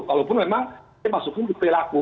kalaupun memang masuknya dipelaku